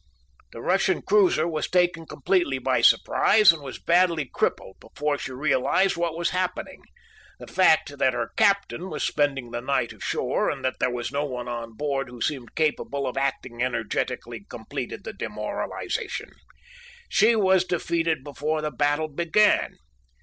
The Russian cruiser was taken completely by surprise and was badly crippled before she realized what was happening. The fact that her Captain was spending the night ashore and that there was no one on board who seemed capable of acting energetically completed the demoralization. She was defeated before the battle began.